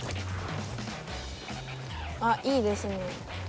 あっいいですね。